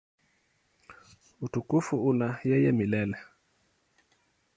Utukufu una yeye milele.